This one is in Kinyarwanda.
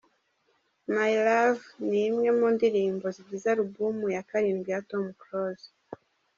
My Love’, ni imwe mu ndirimbo zigize album ya karindwi ya Tom Close.